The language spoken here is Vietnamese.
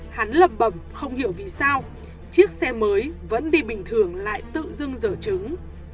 hắn lầm bầm không hiểu vì sao chiếc xe mới vẫn đi bình thường lại tự dưng dở trứng